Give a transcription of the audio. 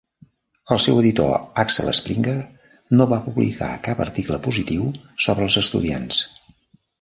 El seu editor, Axel Springer, no va publicar cap article positiu sobre els estudiants.